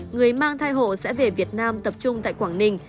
người mang thai hộ sẽ về việt nam tập trung tại quảng ninh